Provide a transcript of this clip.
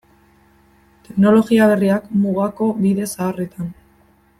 Teknologia berriak mugako bide zaharretan.